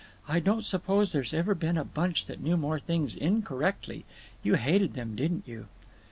I don't suppose there's ever been a bunch that knew more things incorrectly. You hated them, didn't you?"